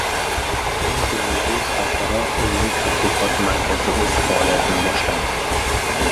Imom Termiziy xalqaro ilmiy-tadqiqot markazi o‘z faoliyatini boshladi